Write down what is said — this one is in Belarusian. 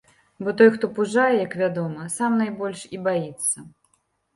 Бо той хто пужае, як вядома, сам найбольш і баіцца.